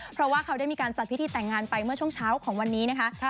เพราะว่าเขาได้มีการจัดพิธีแต่งงานไปเมื่อช่วงเช้าของวันนี้นะคะ